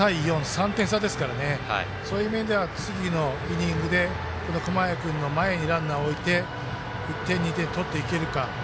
３点差ですから、そういう面では次のイニングで熊谷君の前にランナーを置いて１点、２点取っていけるか。